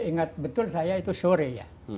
ingat betul saya itu sore ya